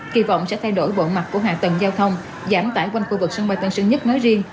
kỳ vọng sẽ thay đổi bộ mặt của hạ tầng giao thông giảm tải quanh khu vực sân bay tân sơn nhất nói riêng